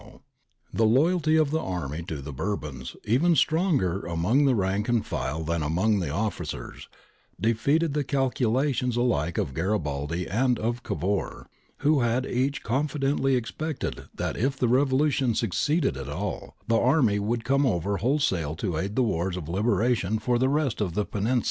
^ The loyalty of the army to the Bourbons, even stronger among the rank and file than among the officers, defeated the calculations alike of Garibaldi and of Cavour, who had each confidently expected that if the revolution succeeded at all, the army would come over wholesale to aid in the wars of liberation for the rest of the Peninsula.